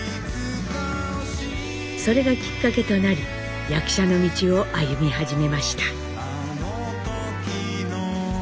それがきっかけとなり役者の道を歩み始めました。